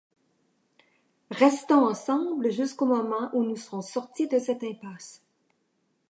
Restons ensemble jusqu’au moment où nous serons sortis de cette impasse.